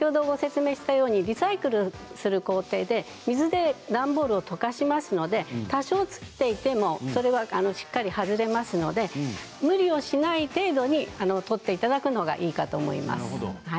リサイクルする工程で水で段ボールを溶かしますので多少ついていても、それは外れますので無理をしない程度に取っていただくのがいいと思います。